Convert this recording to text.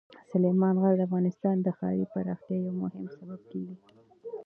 سلیمان غر د افغانستان د ښاري پراختیا یو مهم سبب کېږي.